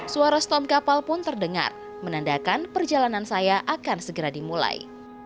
suara stom kapal pun terdengar menandakan perjalanan saya akan segera dimulai